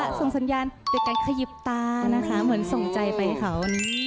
ส่งสัญญาณโดยการขยิบตานะคะเหมือนส่งใจไปให้เขา